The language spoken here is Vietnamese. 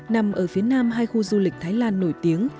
nằm ở phía nam hai khu du lịch thái lan nổi tiếng